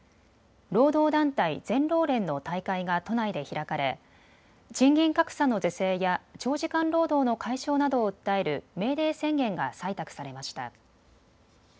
労働団体全労連の大会が都内で開かれ、賃金格差の是正や長時間労働の解消などを訴えるメーデー宣言が採択されました。